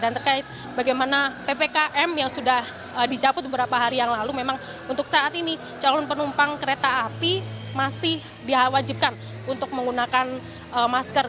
dan terkait bagaimana ppkm yang sudah dicaput beberapa hari yang lalu memang untuk saat ini calon penumpang kereta api masih diwajibkan untuk menggunakan masker